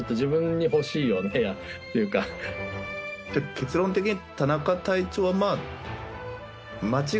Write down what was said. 結論的に。